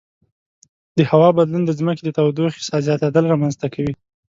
د هوا بدلون د ځمکې د تودوخې زیاتیدل رامنځته کوي.